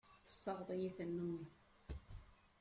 Tessaɣeḍ-iyi tannumi.